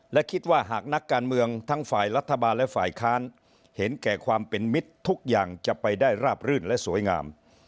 และคิดว่าหากนักการเมืองทั้งฝ่ายรัฐบาลและฝ่ายค้านเห็นแก่ความเป็นมิตรทุกอย่างจะไปได้ราบรื่นและสวยงาม